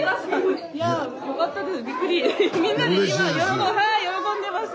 いやよかったです。